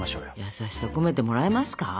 優しさ込めてもらえますか？